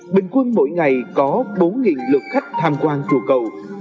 bình quân mỗi ngày có bốn lượt khách tham quan chùa cầu